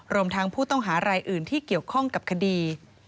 รวมทั้งผู้ต้องหารายอื่นที่เกี่ยวข้องกับคดี